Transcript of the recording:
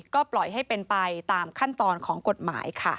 ก็ปล่อยให้เป็นไปตามขั้นตอนของกฎหมายค่ะ